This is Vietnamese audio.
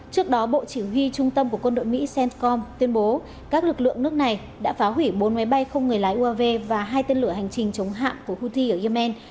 trước đó bộ chỉ huy trung tâm của quân đội mỹ centcom tuyên bố các lực lượng nước này đã phá hủy bốn máy bay không người lái uav và hai tên lửa hành trình chống hạm của houthi ở yemen